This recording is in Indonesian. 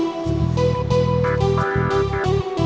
gak usah bawa ini